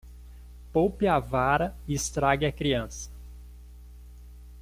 Poupe a vara e estrague a criança.